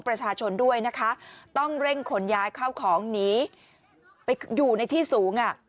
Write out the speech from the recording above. ประชาชนด้วยนะคะต้องเร่งขนย้ายเข้าของหนีไปอยู่ในที่สูงอ่ะ